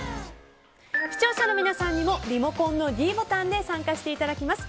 視聴者の皆さんにもリモコンのｄボタンで参加していただきます。